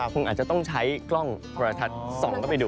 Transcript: คงอาจจะต้องใช้กล้องประทัดสองก็ไปดู